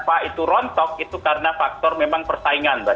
pak itu rontok itu karena faktor memang persaingan mbak